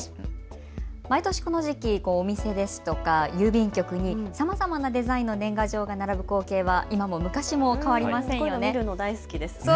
毎年この時期、お店ですとか郵便局にさまざまなデザインの年賀状が並ぶ光景は今も昔も変わりませんよね。